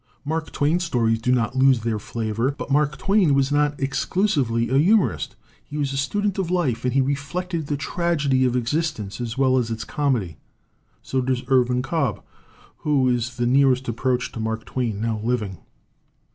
Mark Twain's stories do not lose their flavor. But Mark Twain was not exclusively a humorist; he was a student of life and he re flected the tragedy of existence as well as its comedy. So does Irvin Cobb, who is the nearest approach to Mark Twain now living.